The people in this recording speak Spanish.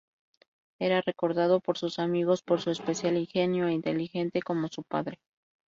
Era recordado por sus amigos por su especial ingenio e inteligente como su padre.